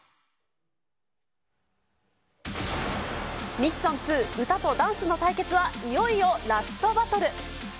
ミッション２、歌とダンスの対決はいよいよラストバトル。